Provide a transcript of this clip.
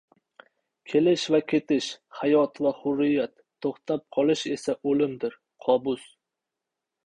Kelish va ketish - hayot va hurriyat. To‘xtab qolish esa o‘limdir. Qobus